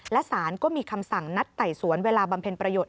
และสารก็มีคำสั่งนัดไต่สวนเวลาบำเพ็ญประโยชน